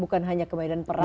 bukan hanya kebaikan perang